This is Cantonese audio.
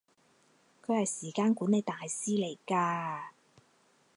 佢係時間管理大師嚟㗎